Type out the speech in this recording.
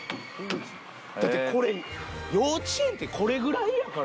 だってこれ幼稚園ってこれぐらいやから。